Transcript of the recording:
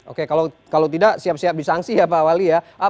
oke kalau tidak siap siap disangsi ya pak wali ya